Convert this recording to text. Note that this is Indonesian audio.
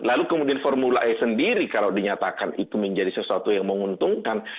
lalu kemudian formula e sendiri kalau dinyatakan itu menjadi sesuatu yang menguntungkan